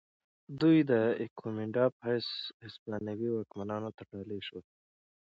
دوی د ایکومینډا په حیث هسپانوي واکمنانو ته ډالۍ شول.